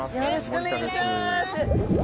よろしくお願いします。